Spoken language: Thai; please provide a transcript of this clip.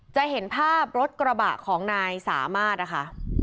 จะเห็นภาพรถกระบะของนายสามารถนะคะ